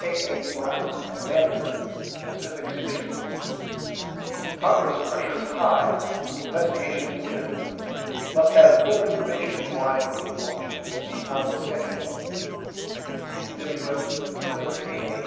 K. A. BROWN COMMANDER PACIFIC SPACEPORT: CONGRESS PRESSURE HIGH INVESTIGATION IMMINENT MUST HAVE FULL INFORMATION WHY MOON LAUNCHES BEHIND SCHEDULE TWX COL. K. A.